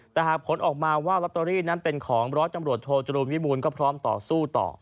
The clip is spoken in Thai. แต่หากผลออกมาว่าลอตเตอรี่นั้นเป็นของร้อยตำรวจโทจรูลวิบูลก็พร้อมต่อสู้ต่อ